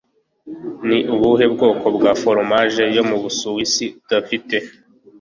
Ni ubuhe bwoko bwa foromaje yo mu Busuwisi idafite?